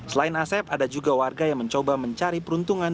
selain asep ada juga warga yang mencoba mencari peruntungan